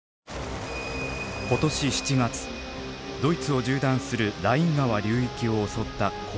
今年７月ドイツを縦断するライン川流域を襲った洪水。